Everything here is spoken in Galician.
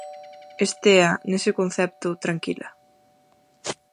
Estea, nese concepto, tranquila.